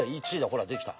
ほらできた。